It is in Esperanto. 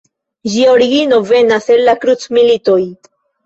Ĝia origino venas el la Krucmilitoj.